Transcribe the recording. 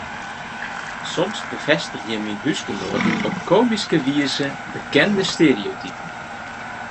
Soms befêstigje myn húsgenoaten op komyske wize bekende stereotypen.